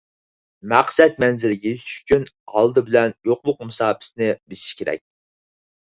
مەقسەت مەنزىلىگە يېتىش ئۈچۈن، ئالدى بىلەن يوقلۇق مۇساپىسىنى بېسىش كېرەك.